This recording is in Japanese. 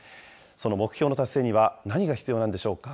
その目標の達成には、何が必要なんでしょうか。